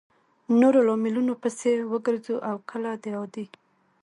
نورو لاملونو پسې وګرځو او کله د عادي